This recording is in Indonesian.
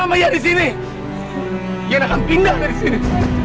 di sini ya di sini ya akan pindah dari sini